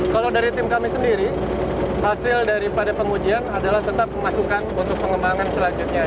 kalau dari tim kami sendiri hasil daripada pengujian adalah tetap memasukkan untuk pengembangan selanjutnya